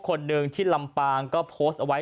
คนหนึ่งที่ลำปางก็โพสต์เอาไว้